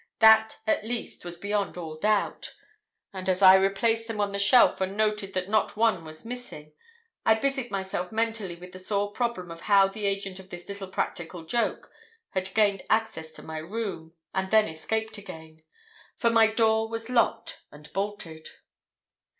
That, at least, was beyond all doubt. And as I replaced them on the shelf and noted that not one was missing, I busied myself mentally with the sore problem of how the agent of this little practical joke had gained access to my room, and then escaped again. For my door was locked and bolted.